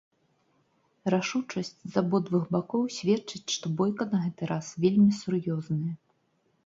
Рашучасць з абодвух бакоў сведчыць, што бойка на гэты раз вельмі сур'ёзная.